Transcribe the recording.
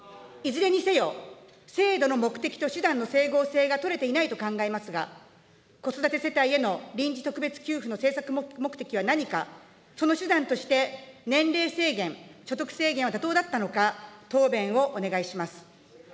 いずれにせよ、制度の目的と手段の整合性が取れていないと考えますが、子育て世帯への臨時特別給付の政策目的は何か、その手段として年齢制限、所得制限は妥当だったのか、答弁をお願いします。